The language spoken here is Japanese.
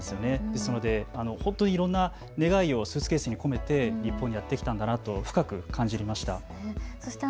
ですので、ほんといろんな願いをスーツケースに込めて日本にやって来たんだなと深く感じました。